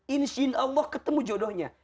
insin allah ketemu jodohnya